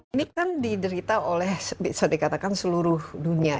ini kan diderita oleh bisa dikatakan seluruh dunia